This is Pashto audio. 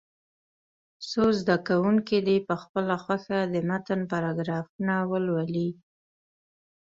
څو زده کوونکي دې په خپله خوښه د متن پاراګرافونه ولولي.